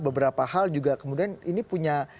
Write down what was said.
beberapa hal juga kemudian ini dianggap punya dampak yang